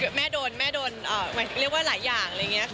คือแม่โดนแม่โดนหมายถึงก็เรียกว่าหลายอย่างอะไรอย่าง